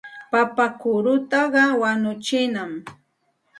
Papa kurutaqa wañuchinam.